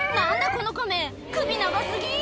このカメ首長過ぎ！